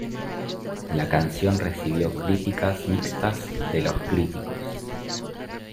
La canción recibió críticas mixtas de los críticos.